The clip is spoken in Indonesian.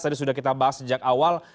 tadi sudah kita bahas sejak awal